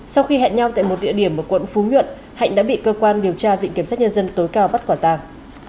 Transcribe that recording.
sau khi hẹn nhau tại một địa điểm ở quận phú nhuận hạnh đã bị cơ quan điều tra viện kiểm sát nhân dân tối cao bắt quả tàng